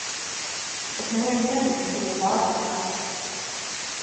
Bet neviens nezin, kur ir lādētājs.